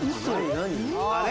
何？